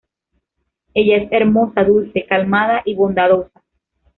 Ella es hermosa, dulce, calmada y bondadosa.